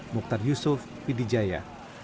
muktar yusuf pidijaya